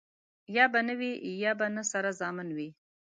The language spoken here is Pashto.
يا به نه وي ،يا به نه سره زامن وي.